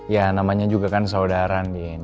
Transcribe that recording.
ya namanya juga kan saudara nih